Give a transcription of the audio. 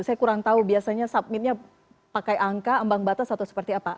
saya kurang tahu biasanya submitnya pakai angka ambang batas atau seperti apa